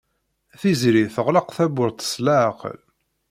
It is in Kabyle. Tiziri teɣleq tawwurt s leɛqel.